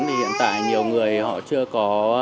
thì hiện tại nhiều người họ chưa có